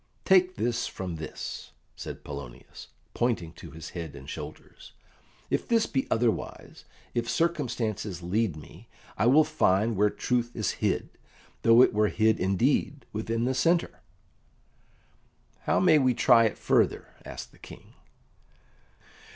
"Take this from this," said Polonius, pointing to his head and shoulders, "if this be otherwise. If circumstances lead me, I will find where truth is hid, though it were hid indeed within the centre." "How may we try it further?" asked the King.